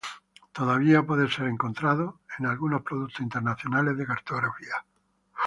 Todavía puede ser encontrado en algunos productos internacionales de cartografía.